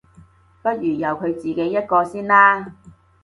不如由佢自己一個先啦